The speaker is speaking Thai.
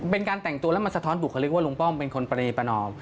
เป็นการแต่งตัวแล้วมันสะท้อนบุคลิกว่าลุงป้อมเป็นคนปรณีประนอม